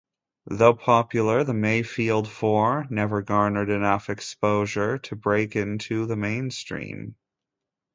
Though popular, The Mayfield Four never garnered enough exposure to break into the mainstream.